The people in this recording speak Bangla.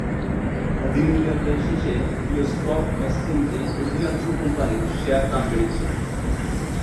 দিনের লেনদেন শেষে দুই স্টক এক্সচেঞ্জে অধিকাংশ কোম্পানির শেয়ারের দাম বেড়েছে।